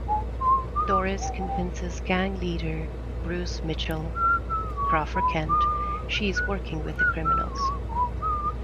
Doris convinces gang leader Bruce Mitchell (Crauford Kent) she is working with the criminals.